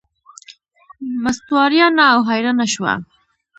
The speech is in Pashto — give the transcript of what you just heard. مستو اریانه او حیرانه شوه.